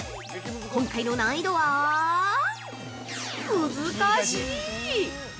今回の難易度はむずかしい！